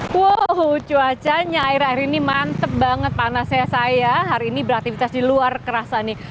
wow cuacanya air air ini mantep banget panasnya saya hari ini beraktivitas di luar kerasa nih